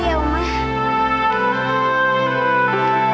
kalau sama sama aida